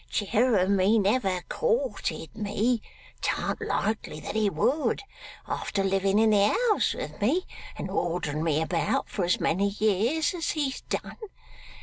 Jeremiah never courted me; t'ant likely that he would, after living in the house with me and ordering me about for as many years as he'd done.